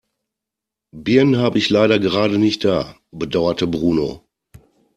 Birnen habe ich leider gerade nicht da, bedauerte Bruno.